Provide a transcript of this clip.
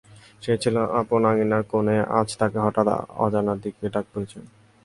সে ছিল আপন আঙিনার কোণে, আজ তাকে হঠাৎ অজানার দিকে ডাক পড়েছে।